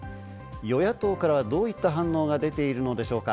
与野党からはどういった反応が出ているのでしょうか？